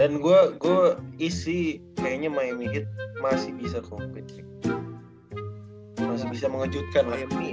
dan gue isi kayaknya miami heat masih bisa komplit masih bisa mengejutkan